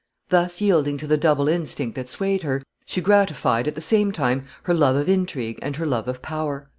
Thus yielding to the double instinct that swayed her, she gratified, at the same time, her love of intrigue and her love of power.